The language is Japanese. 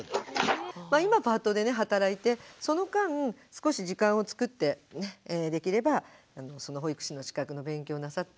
今パートでね働いてその間少し時間を作ってできればその保育士の資格の勉強をなさって。